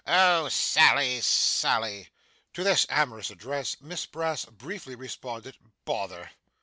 Oh Sally, Sally!' To this amorous address Miss Brass briefly responded 'Bother!